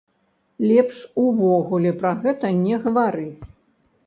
Лепш увогуле пра гэта не гаварыць.